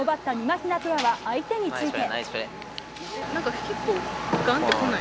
ひなペアは相手について。